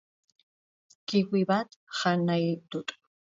Kiwi bat jan nahi dut.